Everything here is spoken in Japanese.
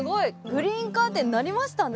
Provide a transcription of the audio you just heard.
グリーンカーテンなりましたね。